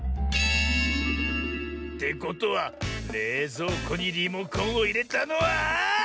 てことはれいぞうこにリモコンをいれたのは。